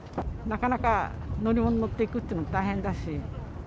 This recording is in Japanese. なかなか乗り物乗って行くっていうの大変だし。